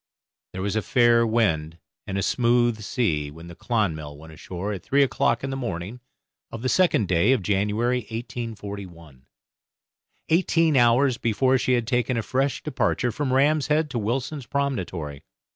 There was a fair wind and a smooth sea when the 'Clonmel' went ashore at three o'clock in the morning of the second day of January, 1841. Eighteen hours before she had taken a fresh departure from Ram's Head to Wilson's Promontory.